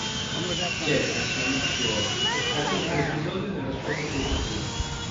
Jefferson, suo ospite, racconta l'episodio nella sua autobiografia.